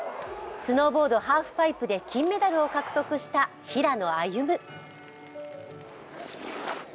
スノーボードハーフパイプで金メダルを獲得した平野歩夢。